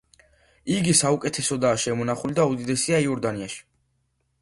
იგი საუკეთესოდაა შემონახული და უდიდესია იორდანიაში.